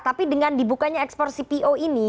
tapi dengan dibukanya ekspor cpo ini